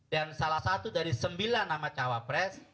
dan salah satu dari sembilan nama cawapres